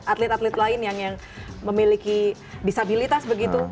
atlet atlet lain yang memiliki disabilitas begitu